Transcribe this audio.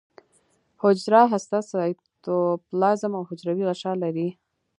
حجره هسته سایتوپلازم او حجروي غشا لري